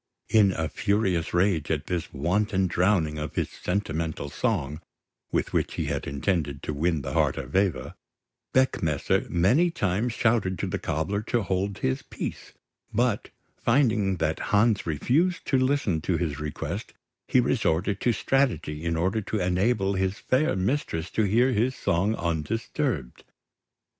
In a furious rage at this wanton drowning of his sentimental song, with which he had intended to win the heart of Eva, Beckmesser many times shouted to the cobbler to hold his peace; but, finding that Hans refused to listen to his request he resorted to strategy in order to enable his fair mistress to hear his song undisturbed.